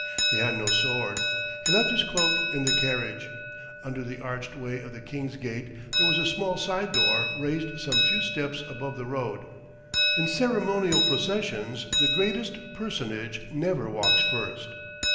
He had no sword. He left his cloak in the carriage. Under the arched way of the King's Gate there was a small side door raised some few steps above the road. In ceremonial processions the greatest personage never walks first.